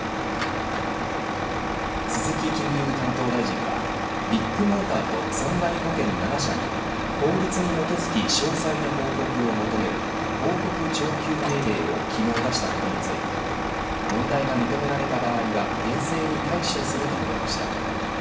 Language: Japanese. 鈴木金融担当大臣はビッグモーターと損害保険７社に法律に基づき詳細な報告を求める報告徴求命令を昨日、出したことについて問題が認められた場合は厳正に対処すると述べました。